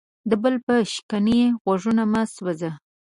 د بل په شکنې غوږونه مه سوځه.